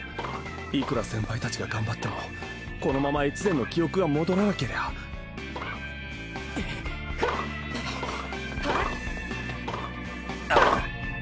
いくら先輩たちが頑張ってもこのまま越前の記憶が戻らなけりゃフッ！